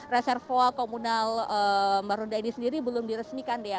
reservoir komunal marunda ini sendiri belum diresmikan ya